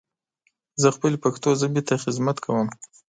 زه خپلې پښتو ژبې ته خدمت کوم.